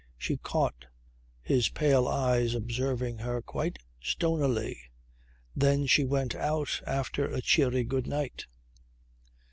She caught his pale eyes observing her quite stonily. Then she went out after a cheery good night.